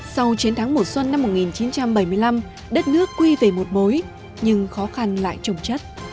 sau chiến thắng mùa xuân năm một nghìn chín trăm bảy mươi năm đất nước quy về một mối nhưng khó khăn lại trồng chất